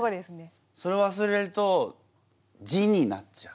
それをわすれると字になっちゃう。